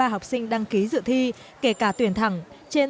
hà nội tp hcm